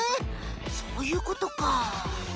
そういうことか。